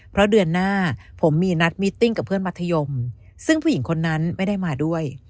เพราะเดือนหน้าผมมีนัดมิตติ้งกับเพื่อนมัธยมซึ่งผู้หญิงคนนั้นไม่ได้มาด้วย